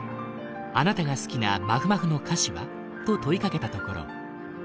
「あなたが好きなまふまふの歌詞は？」と問いかけたところ。